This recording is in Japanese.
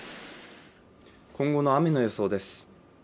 今後の雨の予想です。